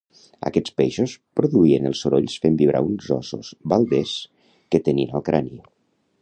Aquests peixos produïen els sorolls fent vibrar uns ossos balders que tenien al crani